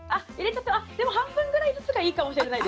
半分ぐらいずつがいいかもしれません。